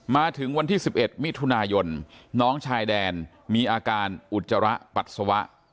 มาถึงวันที่๑๑มิถุนายนน้องชายแดนมีอาการอุจจาระปัสสาวะ